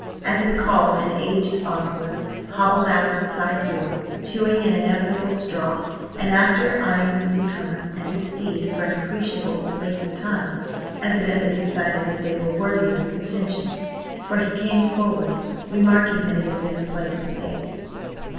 At his call an aged ostler hobbled out of a side door, chewing an inevitable straw, and after eyeing the newcomer and his steed for an appreciable length of time, evidently decided that they were worthy of his attention, for he came forward, remarking that it had been a pleasant day.